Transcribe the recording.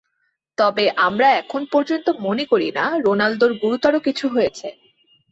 তবে আমরা এখন পর্যন্ত মনে করি না, রোনালদোর গুরুতর কিছু হয়েছে।